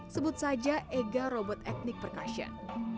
sebut saja ega robot etnik perkassion